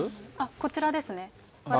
こちらですね。